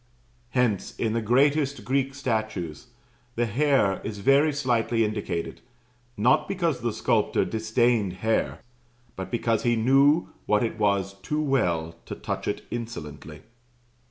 Hence, in the greatest Greek statues, the hair is very slightly indicated not because the sculptor disdained hair, but because he knew what it was too well to touch it insolently.